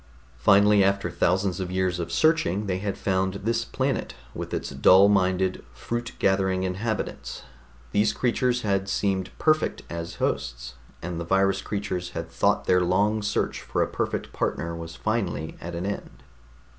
Finally, after thousands of years of searching, they had found this planet with its dull minded, fruit gathering inhabitants. These creatures had seemed perfect as hosts, and the virus creatures had thought their long search for a perfect partner was finally at an end.